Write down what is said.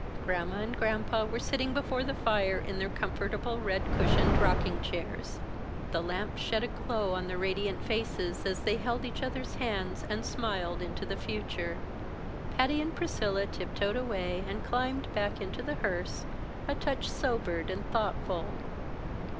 Gramma and Granpa were sitting before the fire in their comfortable red cushioned rocking chairs; the lamp shed a glow on their radiant faces, as they held each other's hands and smiled into the future. Patty and Priscilla tiptoed away and climbed back into the hearse, a touch sobered and thoughtful.